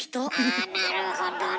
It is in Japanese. あなるほどね。